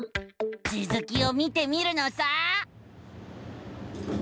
つづきを見てみるのさ！